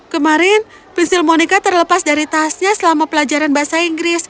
kemarin pensil monica terlepas dari tasnya selama pelajaran bahasa inggris